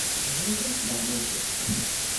Teɣriḍ-as neɣ mazal?